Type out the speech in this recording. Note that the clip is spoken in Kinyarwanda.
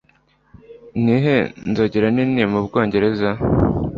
Nihe Nzogera Nini Mubwongereza